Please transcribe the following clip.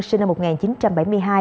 sinh năm một nghìn chín trăm bảy mươi hai